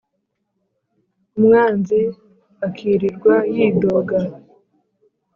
Umwanzi akirirwa yidoga